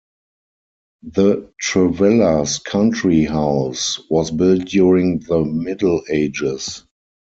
The Trevellas country house was built during the Middle Ages.